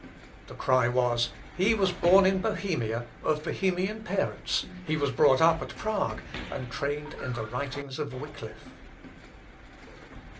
The cry was, "he was born in Bohemia, of Bohemian parents, he was brought up at Prague, and trained in the writings of Wickliffe."